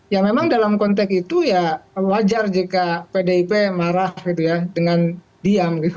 ya memang dalam konteks itu ya wajar jika pdip marah gitu ya dengan diam gitu